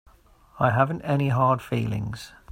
I haven't any hard feelings.